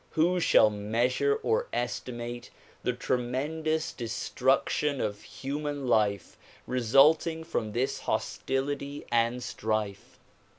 Who shall measure or estimate the tremen dous destruction of human life resulting from this hostility and strife?